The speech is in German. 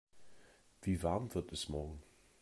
Wie warm wird es morgen?